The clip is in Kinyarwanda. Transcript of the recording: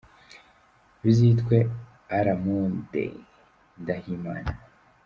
Bizitwe « A la mode Ndahimana ».